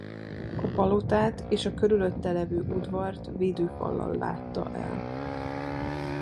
A palotát és a körülötte levő udvart védőfallal látta el.